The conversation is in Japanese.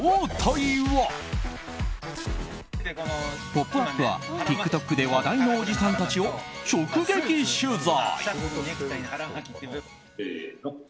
「ポップＵＰ！」はＴｉｋＴｏｋで話題のおじさんたちを直撃取材！